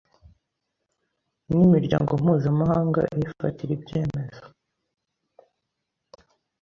n’imiryango mpuzamahanga iyi fatira ibyemezo.